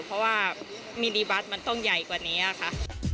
เพราะว่ามินิบัตรมันต้องใหญ่กว่านี้ค่ะ